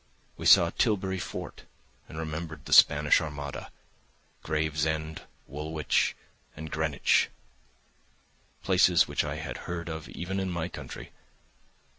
We saw Tilbury Fort and remembered the Spanish Armada, Gravesend, Woolwich, and Greenwich—places which I had heard of even in my country.